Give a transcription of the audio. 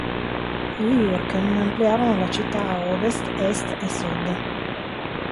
Gli Jurchen ampliarono la città a ovest, est e sud.